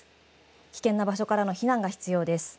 危険な場所からの避難が必要です。